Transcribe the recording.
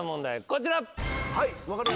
こちら。